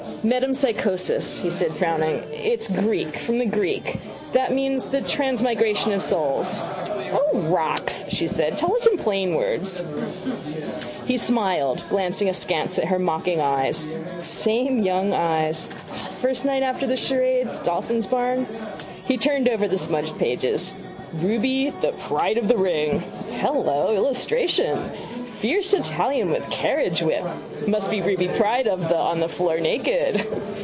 —Metempsychosis, he said, frowning. It's Greek: from the Greek. That means the transmigration of souls. —O, rocks! she said. Tell us in plain words. He smiled, glancing askance at her mocking eyes. The same young eyes. The first night after the charades. Dolphin's Barn. He turned over the smudged pages. Ruby: the Pride of the Ring. Hello. Illustration. Fierce Italian with carriagewhip. Must be Ruby pride of the on the floor naked.